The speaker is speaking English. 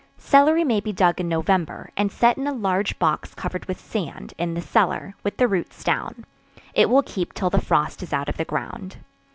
Celery may be dug in November, and set in a large box covered with sand, in the cellar, with the roots down; it will keep till the frost is out of the ground.